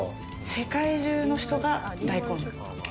世界中の人が大混乱。